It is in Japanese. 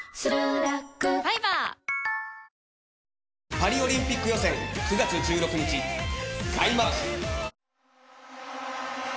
パリオリンピック予選９月１６日開幕。